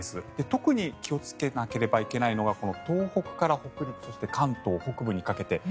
特に気をつけなければいけないのが東北から北陸そして、関東北部にかけて。